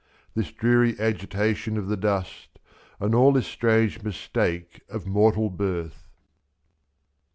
/ f<?This dreary agitation of the dust. And all this strange mistake of mortal birth.